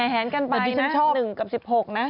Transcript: แหนกันไปดิฉันชอบ๑กับ๑๖นะ